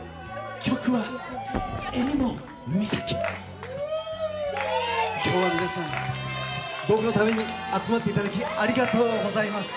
曲は『襟裳岬』今日は皆さん僕のために集まっていただきありがとうございます。